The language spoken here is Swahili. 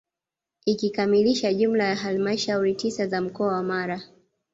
Ikikamilisha jumla ya halmashauri tisa za mkoa wa Mara